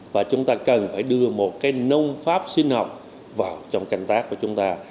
và chúng ta cần phải đưa một cái nông pháp sinh học vào trong canh tác của chúng ta